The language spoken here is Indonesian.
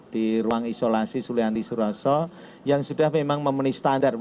di ruang isolasi sulianti suroso yang sudah memang memenuhi standar